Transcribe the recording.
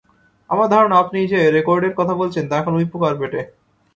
আমার ধারণা আপনি যে- রেকর্ডের কথা বলছেন তা এখন উই পোকার পেটে।